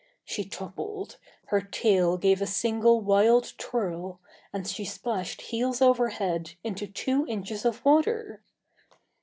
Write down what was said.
She toppled; her tail gave a single wild twirl; and she splashed heels over head into two inches of water!